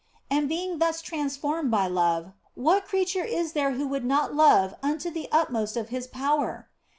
And being thus transformed by love, what creature is there who would not love unto the utmost of his power